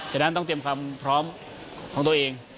ฉะนั้นต้องเตรียมความพร้อมของตัวเอง